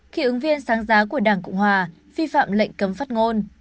khi ứng viên sáng giá của đảng cộng hòa vi phạm lệnh cấm phát ngôn